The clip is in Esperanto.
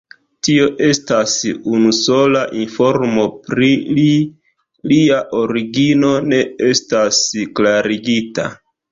Tio estas unusola informo pri li, lia origino ne estas klarigita.